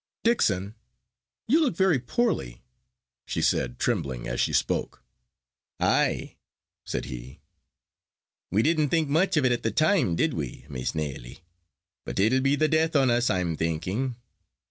"Dixon, you look very poorly," she said, trembling as she spoke. "Ay!" said he. "We didn't think much of it at the time, did we, Miss Nelly? But it'll be the death on us, I'm thinking.